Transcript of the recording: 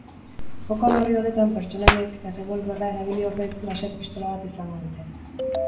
Joko berri honetan pertsonaiek errebolberra erabili ordez laser-pistola bat izango dute.